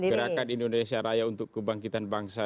gerakan indonesia raya untuk kebangkitan bangsa